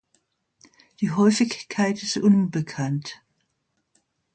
Die Häufigkeit ist unbekannt.